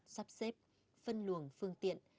sắp xếp phân luồng phương tiện